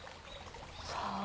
さあ。